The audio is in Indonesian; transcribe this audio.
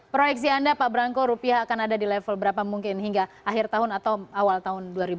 proyeksi anda pak branko rupiah akan ada di level berapa mungkin hingga akhir tahun atau awal tahun dua ribu dua puluh